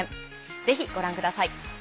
ぜひご覧ください。